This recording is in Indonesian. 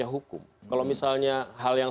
hukum kalau misalnya hal yang